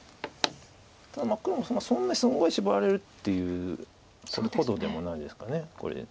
ただ黒もそんなにすごいシボられるっていうほどでもないですかこれ。